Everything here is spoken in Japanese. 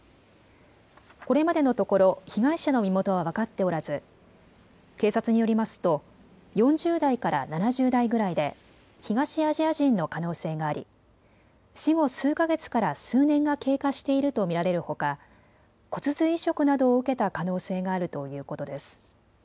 これまでのところ被害者の身元は分かっておらず警察によりますと４０代から７０代ぐらいで東アジア人の可能性があり死後数か月から数年が経過していると見られるほか骨髄移植などを受けた可能性があるということです。